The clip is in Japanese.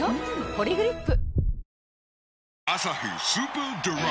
「ポリグリップ」